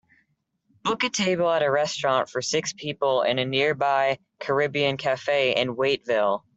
book a table at a restaurant for six people in a nearby caribbean cafe in Waiteville